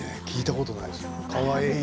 聞いたことがない。